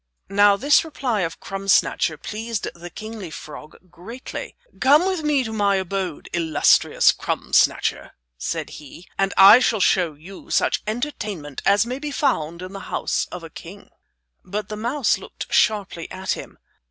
Now this reply of Crumb Snatcher pleased the kingly frog greatly. "Come with me to my abode, illustrious Crumb Snatcher," said he, "and I shall show you such entertainment as may be found in the house of a king." But the mouse looked sharply at him.